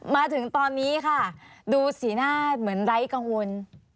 มาถึงตอนนี้ค่ะดูสีหน้าเหมือนไร้กังวล